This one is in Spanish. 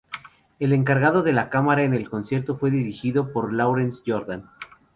El encargado de la cámara en el concierto fue dirigido por Lawrence Jordan.